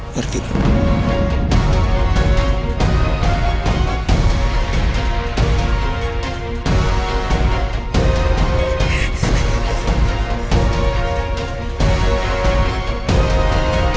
karena itu gue punya hak